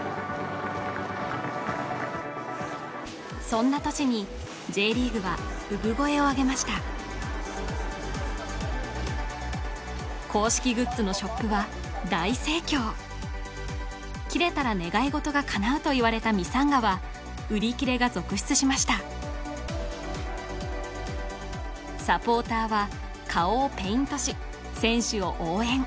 そんな年にＪリーグは産声をあげました公式グッズのショップは大盛況切れたら願い事がかなうといわれたミサンガは売り切れが続出しましたサポーターは顔をペイントし選手を応援